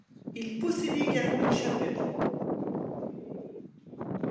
Il possédait également une chapelle.